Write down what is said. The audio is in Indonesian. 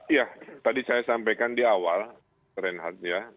iya tadi saya sampaikan di awal renhad ya